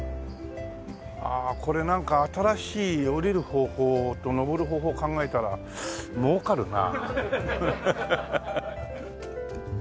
ああこれなんか新しい下りる方法と上る方法を考えたら儲かるなあ。